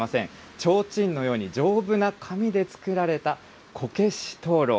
ちょうちんのように丈夫な紙で作られたこけし灯ろう。